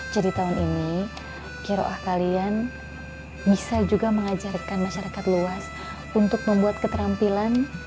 jadi tahun ini kiroah kalian bisa juga mengajarkan masyarakat luas untuk membuat keterampilan